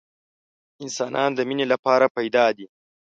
انسانان د مینې لپاره پیدا دي